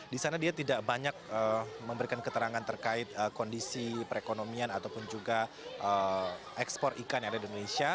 di sana dia tidak banyak memberikan keterangan terkait kondisi perekonomian ataupun juga ekspor ikan yang ada di indonesia